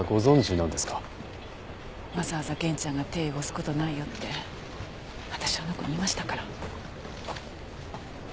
わざわざ源ちゃんが手汚す事ないよって私あの子に言いましたから。